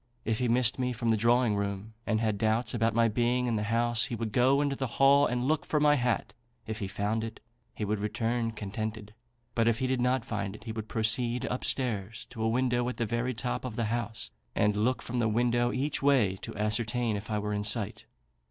If he missed me from the drawing room, and had doubts about my being in the house, he would go into the hall and look for my hat: if he found it, he would return contented; but if he did not find it, he would proceed up stairs to a window at the very top of the house, and look from the window each way, to ascertain if I were in sight.